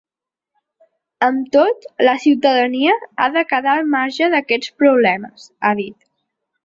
“Amb tot, la ciutadania ha de quedar al marge d’aquests problemes”, ha dit.